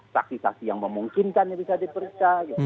saksi saksi yang memungkinkan yang bisa diperiksa